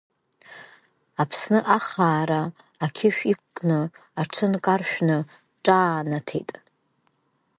Аԥсы ахаара ақьышә иқәкны аҽынкаршәны ҿаанаҭит…